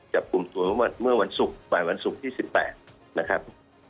จับกลุ่มตัวเมื่อวันศุกร์บ่ายวันศุกร์ที่๑๘นะครับ